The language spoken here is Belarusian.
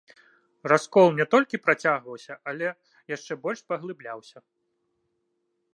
Раскол не толькі працягваўся, але яшчэ больш паглыбляўся.